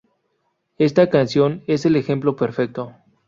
Esta canción es el ejemplo perfecto".